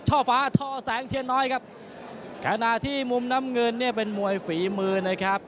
ฟ้าทอแสงเทียนน้อยครับขณะที่มุมน้ำเงินเนี่ยเป็นมวยฝีมือนะครับ